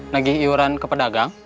nagih iuran ke pedagang